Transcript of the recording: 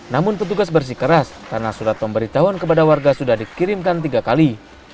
namun petugas bersih keras karena surat pemberitahuan kepada warga sudah dikirimkan tiga kali